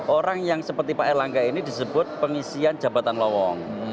orang yang seperti pak erlangga ini disebut pengisian jabatan lowong